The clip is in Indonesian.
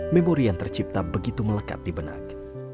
memori yang tercipta begitu melekat di benak